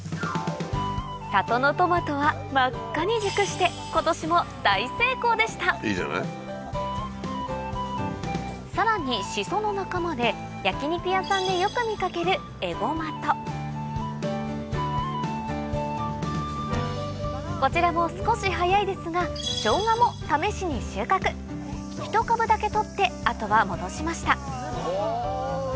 里のトマトは真っ赤に熟してさらにシソの仲間で焼き肉屋さんでよく見かけるこちらも少し早いですがショウガも試しに収穫一株だけ採って後は戻しました